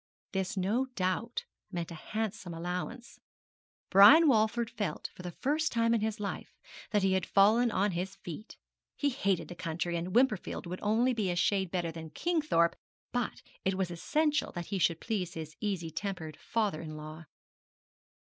This no doubt meant a handsome allowance. Brian Walford felt, for the first time in his life, that he had fallen on his feet. He hated the country, and Wimperfield would be only a shade better than Kingthorpe; but it was essential that he should please his easy tempered father in law.